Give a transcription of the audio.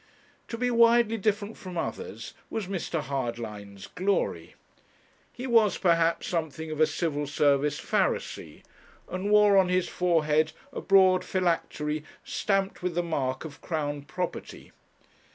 To be widely different from others was Mr. Hardlines' glory. He was, perhaps, something of a Civil Service Pharisee, and wore on his forehead a broad phylactery, stamped with the mark of Crown property.